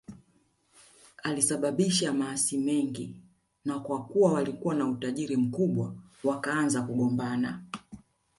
Alisababisha maasi mengi na kwa kuwa walikuwa na utajiri mkubwa wakaanza kugombana